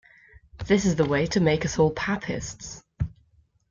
This is the way to make us all Papists!